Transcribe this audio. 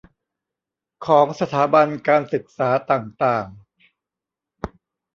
ของสถาบันการศึกษาต่างต่าง